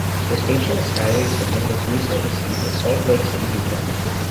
The station's skywave signal was recently received in Salt Lake City, Utah.